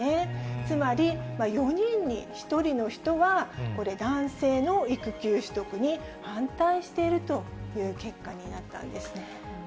つまり４人に１人の人は、これ、男性の育休取得に反対しているという結果になったんですね。